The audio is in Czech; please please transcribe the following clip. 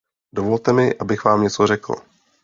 Dovolte mi, abych vám něco řekl.